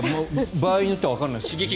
場合によってはわからないです。